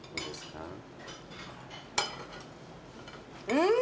うん！